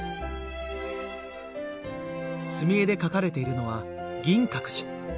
墨絵で描かれているのは銀閣寺。